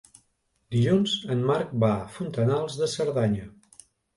Dilluns en Marc va a Fontanals de Cerdanya.